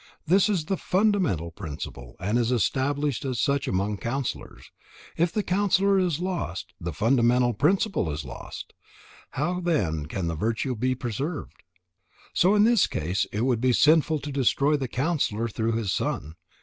This is the fundamental principle, and is established as such among counsellors. If the counsellor is lost, the fundamental principle is lost; how then can virtue be preserved? So in this case it would be sinful to destroy the counsellor through his son.